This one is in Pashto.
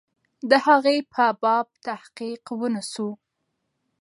د هغې په باب تحقیق ونسو.